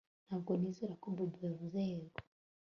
Ntabwo nizera ko Bobo yavuze yego